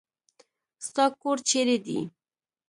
ستا کور چيري دی.